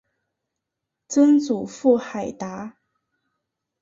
曾祖父海达。